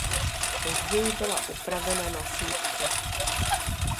Později byla upravena na sýpku.